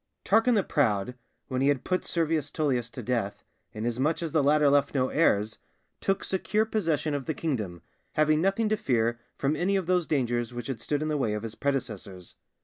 _ Tarquin the Proud, when he had put Servius Tullius to death, inasmuch as the latter left no heirs, took secure possession of the kingdom, having nothing to fear from any of those dangers which had stood in the way of his predecessors.